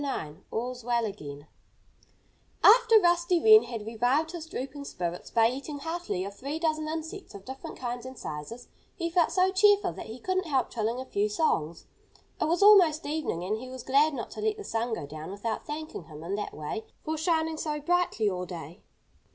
IX ALL'S WELL AGAIN After Rusty Wren had revived his drooping spirits by eating heartily of three dozen insects of different kinds and sizes, he felt so cheerful that he couldn't help trilling a few songs. It was almost evening; and he was glad not to let the sun go down without thanking him in that way for shining so brightly all day.